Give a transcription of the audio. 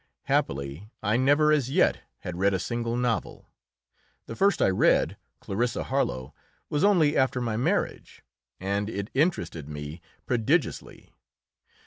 Happily I never as yet had read a single novel. The first I read, "Clarissa Harlowe," was only after my marriage, and it interested me prodigiously.